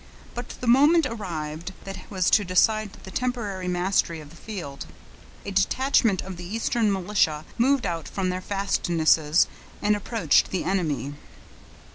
But the moment arrived that was to decide the temporary mastery of the field. A detachment of the eastern militia moved out from their fastnesses, and approached the enemy.